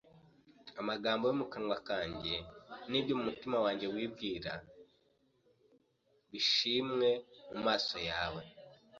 Amagambo yo mu kanwa kanjye n’ibyo umutima wanjye wibwira bishimwe mu maso yawe,